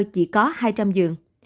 chỉ có hai trăm linh dường